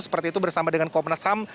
seperti itu bersama dengan komnas ham